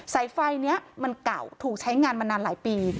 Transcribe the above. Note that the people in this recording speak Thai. สายไฟนี้มันเก่าถูกใช้งานมานานหลายปี